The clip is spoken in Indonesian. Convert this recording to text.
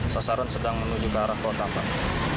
sasaran sedang menuju ke arah kota pak